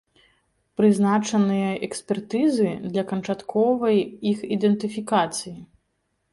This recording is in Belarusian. Прызначаныя экспертызы для канчатковай іх ідэнтыфікацыі.